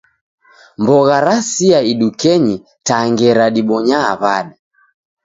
Mbogha rasia idukenyi ta ngera dibonyaa w'ada